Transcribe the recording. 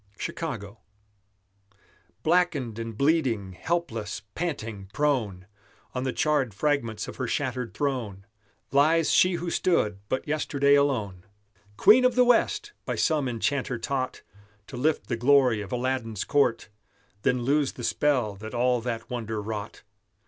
CHICAGO Blackened and bleeding, helpless, panting, prone, On the charred fragments of her shattered throne Lies she who stood but yesterday alone. Queen of the West! by some enchanter taught To lift the glory of Aladdin's court, Then lose the spell that all that wonder wrought.